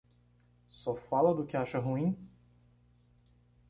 Só fala do que acha ruim?